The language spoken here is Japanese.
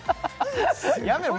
やめろ